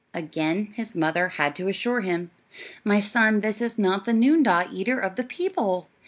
Again his mother had to assure him, "My son, this is not the noondah, eater of the people."